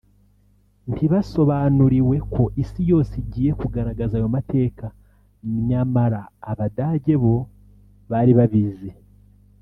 ntibasobanuriwe ko Isi yose igiye kugaragaza ayo mateka myamara Abadage bo bari babizi